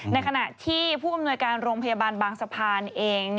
ในขณะที่ผู้อำนวยการโรงพยาบาลบางสะพานเอง